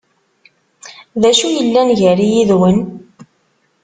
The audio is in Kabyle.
D acu yellan gar-i yid-wen?